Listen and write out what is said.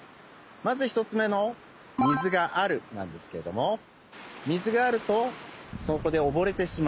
まず１つめの「水がある」なんですけれども水があるとそこでおぼれてしまう。